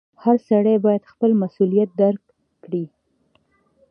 • هر سړی باید خپل مسؤلیت درک کړي.